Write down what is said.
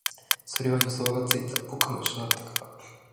それは予想がついた、僕も一緒だったから